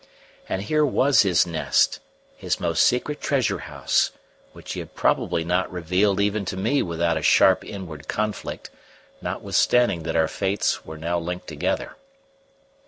And here was his nest, his most secret treasure house, which he had probably not revealed even to me without a sharp inward conflict, notwithstanding that our fates were now linked together.